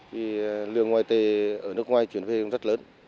vì lượng ngoại tế ở nước ngoài chuyển về cũng rất lớn